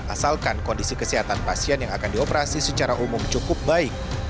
asalkan kondisi kesehatan pasien yang akan dioperasi secara umum cukup baik